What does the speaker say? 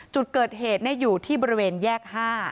จุดเกิดเหตุอยู่ที่บริเวณแยก๕